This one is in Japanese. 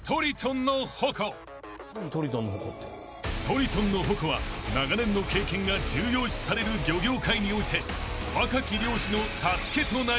［トリトンの矛は長年の経験が重要視される漁業界において］